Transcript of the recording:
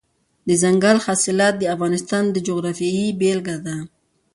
دځنګل حاصلات د افغانستان د جغرافیې بېلګه ده.